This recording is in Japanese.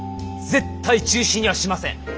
絶対中止にはしません。